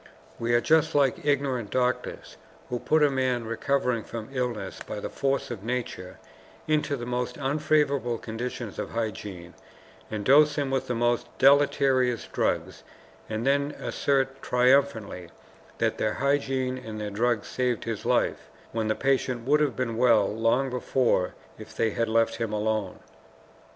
We are just like ignorant doctors who put a man, recovering from illness by the force of nature, into the most unfavorable conditions of hygiene, and dose him with the most deleterious drugs, and then assert triumphantly that their hygiene and their drugs saved his life, when the patient would have been well long before if they had left him alone.